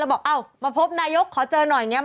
บอกเอ้ามาพบนายกขอเจอหน่อยอย่างนี้